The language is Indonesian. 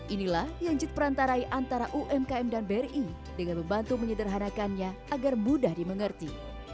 inilah yang jid perantarai antara umkm dan bri dengan membantu menyederhanakannya agar mudah dimengerti